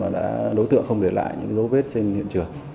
đối tượng không để lại những dấu vết trên hiện trường